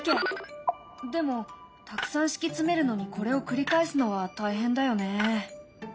でもたくさん敷き詰めるのにこれを繰り返すのは大変だよね。